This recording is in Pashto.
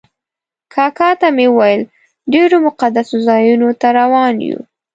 کاکا ته مې وویل ډېرو مقدسو ځایونو ته روان یو.